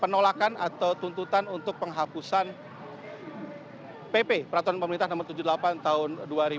penolakan atau tuntutan untuk penghapusan pp peraturan pemerintah nomor tujuh puluh delapan tahun dua ribu dua